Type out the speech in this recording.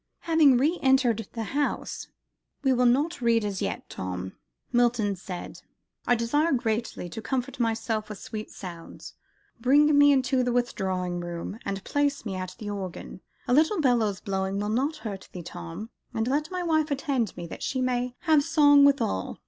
Having re entered the house, "We will not read as yet, Tom," Milton said, "I desire greatly to comfort myself with sweet sounds. Bring me into the withdrawing room, and place me at the organ. A little bellows blowing will not hurt thee, Tom. And let my wife attend me, that we may have song withal.